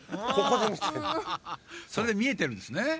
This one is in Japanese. それでみえてるんですね。